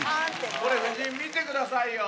これ、夫人見てくださいよ。